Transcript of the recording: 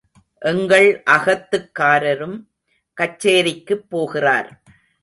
எங்கள் அகத்துக்காரரும் கச்சேரிக்குப் போகிறார்.